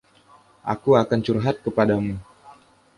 Aku akan curhat kepadamu.